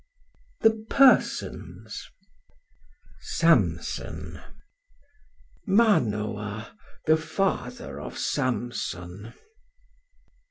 The Persons Samson. Manoa the father of Samson.